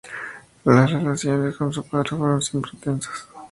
Las relaciones con su padre fueron siempre tensas.